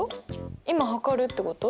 今測るってこと？